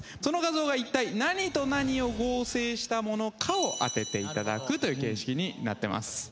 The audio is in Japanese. その画像が一体何と何を合成したものかを当てて頂くという形式になってます。